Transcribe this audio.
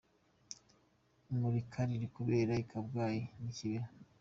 Imurika riri kubera i Kabgayi n’i Kibeho.